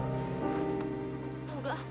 harus gue ngepasin